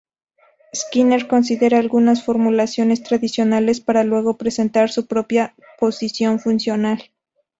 Skinner considera algunas formulaciones tradicionales para luego presentar su propia posición funcional.